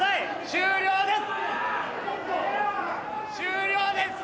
終了です！